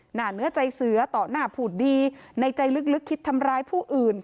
หน้าเนื้อใจเสือต่อหน้าผูดดีในใจลึกคิดทำร้ายผู้อื่น